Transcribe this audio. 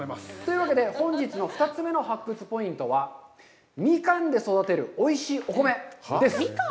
本日の２つ目の発掘ポイントは、ミカンで育てるおいしいお米です。